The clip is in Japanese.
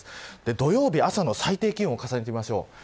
土曜日、朝の最低気温を重ねてみましょう。